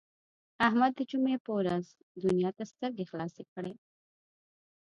احمد د جمعې په ورځ دنیا ته سترګې خلاصې کړې.